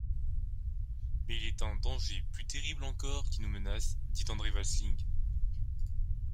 Mais il est un danger, plus terrible encore, qui nous menace! dit André Vasling.